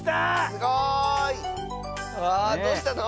すごい！あっどうしたの？